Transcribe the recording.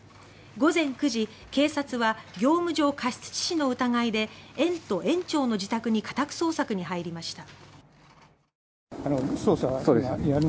午前９時、警察は業務上過失致死の疑いで園と園長の自宅に家宅捜索に入りました。